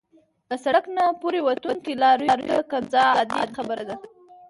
له سړک نه پورې وتونکو لارویو ته کنځا عادي خبره ده.